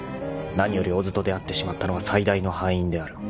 ［何より小津と出会ってしまったのは最大の敗因である。